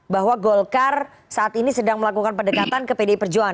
bahwa golkar saat ini sedang melakukan pendekatan ke pdi perjuangan